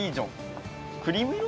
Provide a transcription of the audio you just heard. クリーム色？